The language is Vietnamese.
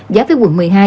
giáp với quận một mươi hai